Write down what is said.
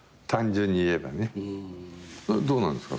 どうなんですか？